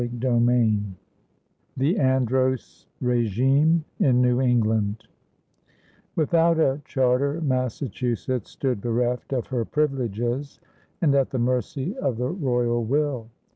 CHAPTER X THE ANDROS RÉGIME IN NEW ENGLAND Without a charter Massachusetts stood bereft of her privileges and at the mercy of the royal will.